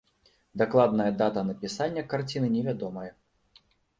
Дакладная дата напісання карціны невядомая.